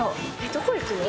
どこ行くの？